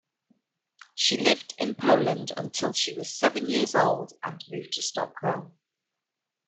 She lived in Poland until she was seven years old and moved to Stockholm.